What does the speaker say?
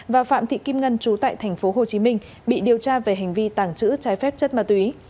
và phạm thị kim ngân chú tại tp hcm bị điều tra về hành vi tàng trữ trái phép chất ma túy